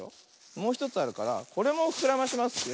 もうひとつあるからこれもふくらまします。